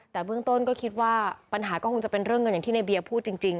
แต่เบื้องต้นก็คิดว่าปัญหาก็คงจะเป็นเรื่องเงินอย่างที่ในเบียร์พูดจริง